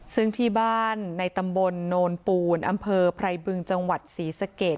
ซึ่งที่บ้านในตำบลโนนปูนอำเภอไพรบึงจังหวัดศรีสะเกด